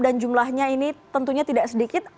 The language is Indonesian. dan jumlahnya ini tentunya tidak sedikit